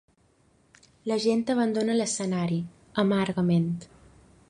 La gent abandona l’escenari, amargament.